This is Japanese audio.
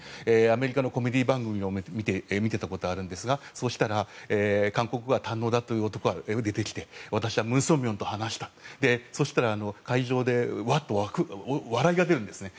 アメリカのコメディー番組を見ていたことがあるんですが韓国語が堪能だという男が出てきて私は文鮮明と話したと言うと会場で笑いが出るんですね。